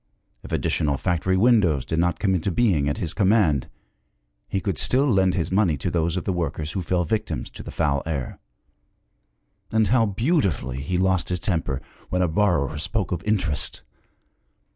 If additional factory windows did not come into being at his command, he could still lend his money to those of the workers who fell victims to the foul air; and how beautifully he lost his temper when a borrower spoke of interest!